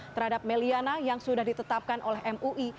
terhadap may liana yang sudah ditetapkan oleh mui